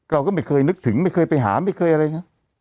เราก็ไม่เคยนึกถึงไม่เคยไปหาไม่เคยอะไรนะ